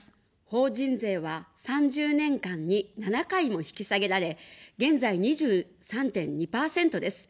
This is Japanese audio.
法人税は３０年間に７回も引き下げられ、現在２３．２％です。